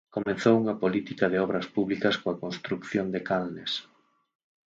Comezou unha política de obras públicas coa construción de canles.